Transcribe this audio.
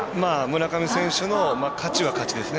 村上選手の勝ちは勝ちです。